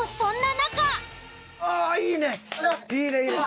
いいねいいね。